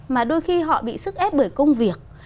mà đôi khi họ bị sức ép bởi công việc